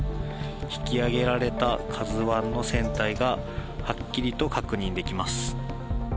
引き揚げられたＫＡＺＵＩの船体がはっきりと確認できます。